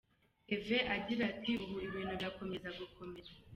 Kevin agira ati “Ubu ibintu birakomeza gukomera.